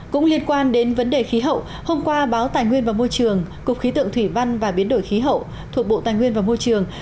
cũng liên quan đến vấn đề khí hậu hôm qua báo tài nguyên và môi trường cục khí tượng thủy văn và biến đổi khí hậu thuộc bộ tài nguyên và môi trường